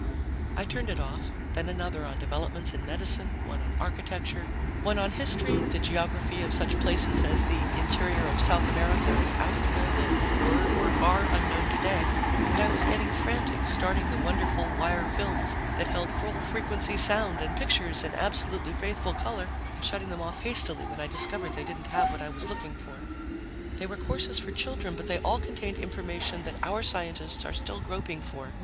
I turned it off, then another on developments in medicine, one on architecture, one on history, the geography of such places as the interior of South America and Africa that were or are unknown today, and I was getting frantic, starting the wonderful wire films that held full frequency sound and pictures in absolutely faithful color, and shutting them off hastily when I discovered they didn't have what I was looking for. They were courses for children, but they all contained information that our scientists are still groping for